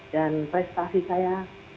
dan prestasi saya